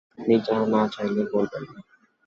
আপনি না চাইলে বলবেন না।